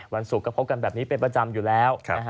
วันศุกร์ก็พบกันแบบนี้เป็นประจำอยู่แล้ว